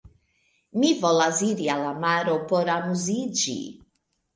Mi volas iri al la maro por amuziĝi.